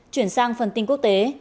chuyển sang phần tin quốc tế